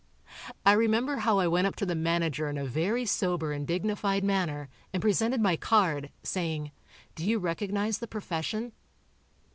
I remember how I went up to the manager in a very sober and dignified manner, and presented my card, saying: "Do you recognize the profession?"